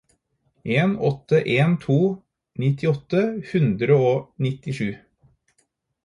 en åtte en to nitti åtte hundre og nittisju